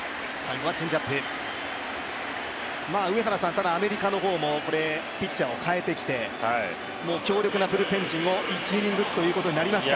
ただ、アメリカの方もピッチャーを代えてきてもう強力なブルペン陣を１イニングずつとなりますか。